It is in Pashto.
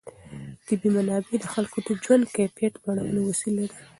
طبیعي منابع د خلکو د ژوند د کیفیت لوړولو وسیله ده.